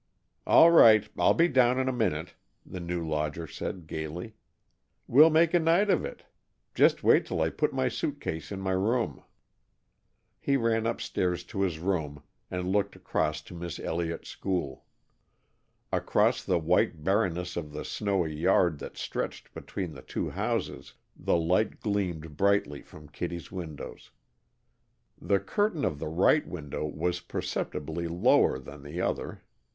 "All right, I'll be down in a minute," the new lodger said, gaily. "We'll make a night of it! Just wait till I put my suit case in my room." He ran upstairs to his room and looked across to Miss Elliott's School. Across the white barrenness of the snowy yard that stretched between the two houses, the light gleamed brightly from Kittie's windows. The curtain of the right window was perceptibly lower than the other.